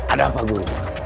ada apa guru